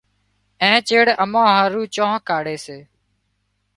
اين چيڙ اَمان هارو چانه ڪاڙهي سي۔